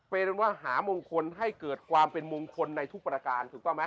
เป็นว่าหามงคลให้เกิดความเป็นมงคลในทุกประการถูกต้องไหม